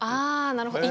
あなるほど。